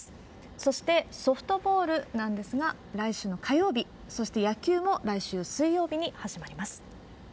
そして、ソフトボールなんですが、来週の火曜日、そして野球も来週水曜日に始まります。